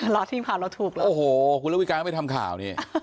รอทีมข่าวเราถูกเลยโอ้โหคุณระวิการไม่ทำข่าวนี่